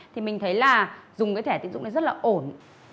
thì mình thấy là dùng cái thẻ tín dụng này rất là ổn